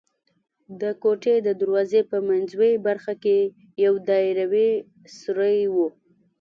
د کوټې د دروازې په منځوۍ برخه کې یو دایروي سوری و.